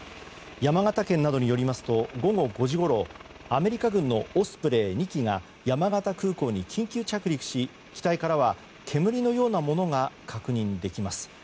山形県などによりますと午後５時ごろアメリカ軍のオスプレイ２機が山形空港に緊急着陸し機体からは煙のようなものが確認できます。